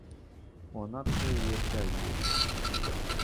ہونا تو پھر یہ چاہیے۔